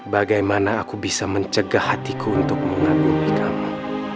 bagaimana aku bisa mencegah hatiku untuk mengagumi kamu